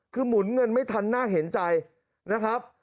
คือหมุนเงินไม่ทันน่าเห็นใจนะครับ